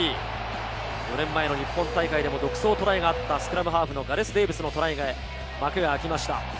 ４年前の日本大会でも、独走トライがあったスクラムハーフのガレス・デーヴィスのトライで幕が開きました。